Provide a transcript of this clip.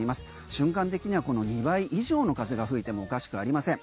瞬間的にはこの２倍以上の風が吹いてもおかしくありません。